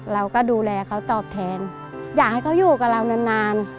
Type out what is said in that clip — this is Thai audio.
เราก็ดูแลเขาตอบแทนอยากให้เขาอยู่กับเรานานนาน